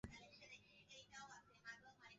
আমার পরিবারের পক্ষ থেকেও, ধন্যবাদ।